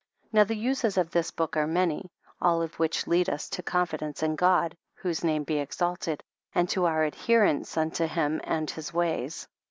Now the uses of this book are many, all of which lead us to confidence in God, (whose name be exalted,) and to our adherence unto him and his ways.